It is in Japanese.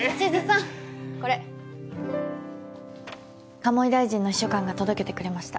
鴨井大臣の秘書官が届けてくれました。